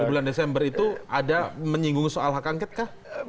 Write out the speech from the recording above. di bulan desember itu ada menyinggung soal hak angket kah